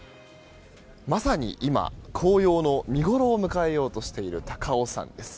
まさに今紅葉の見ごろを迎えようとしている高尾山です。